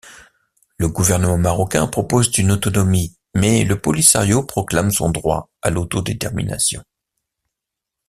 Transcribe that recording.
Le gouvernement marocain propose une autonomie mais le Polisario proclame son droit à l'autodétermination.